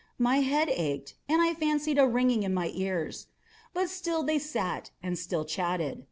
My head ached, and I fancied a ringing in my ears: but still they sat and still chatted.